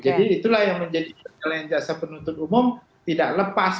jadi itulah yang menjadi penilaian jaksa penutup umum tidak lepas